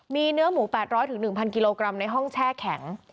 มีเนื้อหมู๘๐๐๑๐๐กิโลกรัมในห้องแช่แข็ง